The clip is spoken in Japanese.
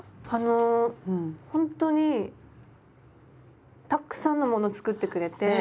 あのほんとにたっくさんのもの作ってくれて。